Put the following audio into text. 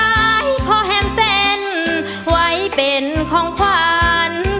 ไว้ขอแฮมแสนไว้เป็นของขวาน